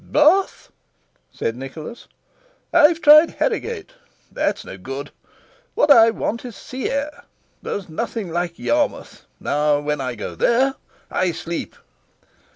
"Bath!" said Nicholas. "I've tried Harrogate. That's no good. What I want is sea air. There's nothing like Yarmouth. Now, when I go there I sleep...."